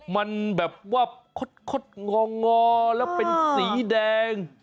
มันแบบว่าคดงองอแล้วเป็นสีแดง